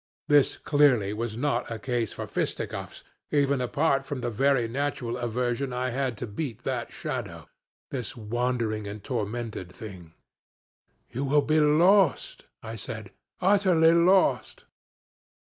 This clearly was not a case for fisticuffs, even apart from the very natural aversion I had to beat that Shadow this wandering and tormented thing. 'You will be lost,' I said 'utterly lost.'